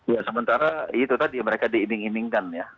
ya sementara itu tadi mereka diiming imingkan ya